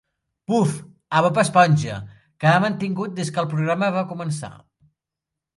Puff a "Bob Esponja", que ha mantingut des que el programa va començar.